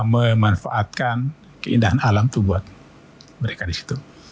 memanfaatkan keindahan alam itu buat mereka di situ